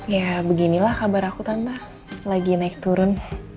ya beginilah kabar aku kan lagi naik turun